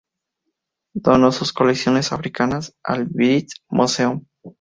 Donó sus colecciones africanas al British Museum.